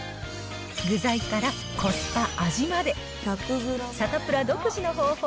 具材からコスパ、味まで。